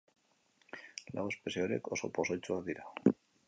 Lau espezie horiek oso pozoitsuak dira.